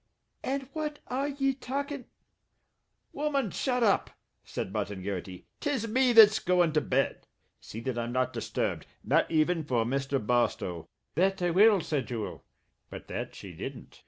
"And what are ye talkin' " "Woman, shut up," said Martin Garrity. "'Tis me that's goin' to bed. See that I'm not disturbed. Not even for Mr. Barstow." "That I will," said Jewel but that she didn't.